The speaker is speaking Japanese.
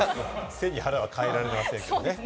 背に腹は変えられませんからね。